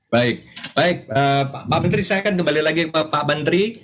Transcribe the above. baik baik pak menteri saya akan kembali lagi ke pak menteri